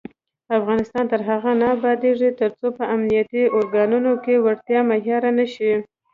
افغانستان تر هغو نه ابادیږي، ترڅو په امنیتي ارګانونو کې وړتیا معیار نشي.